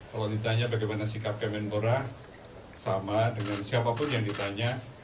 kalau ditanya bagaimana sikap kemenpora sama dengan siapapun yang ditanya